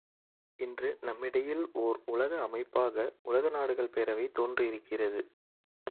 இன்று நம்மிடையில் ஒர் உலக அமைப்பாக உலக நாடுகள் பேரவை தோன்றியிருக்கிறது.